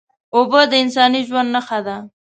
اوبه د انساني ژوند نښه ده